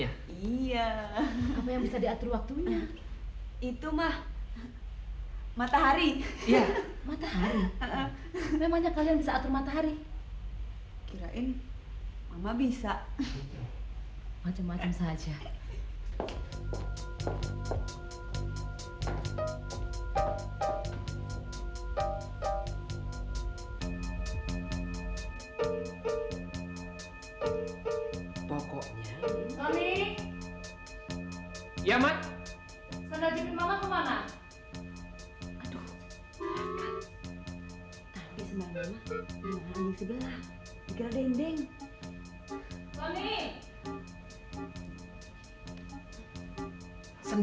ya yang datang bersamaan